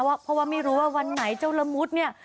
เพราะว่าไม่รู้ว่าวันไหนเจ้าละมุดเนี่ย